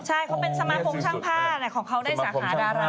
ใช่เขาเป็นสมาฝงช่างภาพของเขาได้สหราภาพดารา